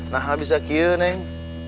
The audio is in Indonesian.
nah habis aku ya neng